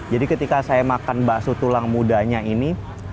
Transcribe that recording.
jadi ketika saya makan bakso tulang mudanya ini